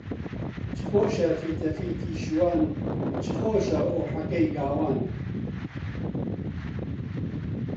چ خۆشە فیتەفیتی شوان، چ خۆشە ئوحەکەی گاوان